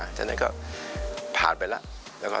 ฉะนั้นก็ผ่านไปแล้ว